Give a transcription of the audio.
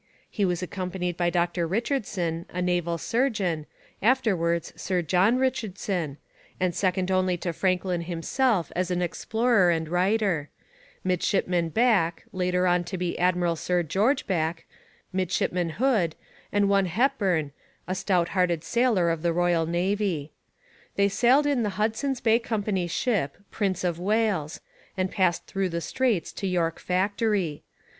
He was accompanied by Dr Richardson, a naval surgeon, afterwards Sir John Richardson, and second only to Franklin himself as an explorer and writer, Midshipman Back, later on to be Admiral Sir George Back, Midshipman Hood, and one Hepburn, a stout hearted sailor of the Royal Navy. They sailed in the Hudson's Bay Company ship Prince of Wales, and passed through the straits to York Factory.